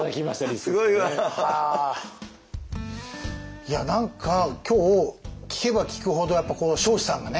いや何か今日聞けば聞くほどやっぱこの彰子さんがね